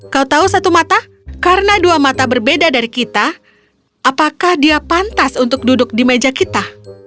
kau tahu satu mata karena dua mata berbeda dari kita apakah dia pantas untuk duduk di meja kita